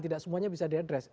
tidak semuanya bisa diadres